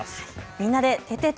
みんなでててて！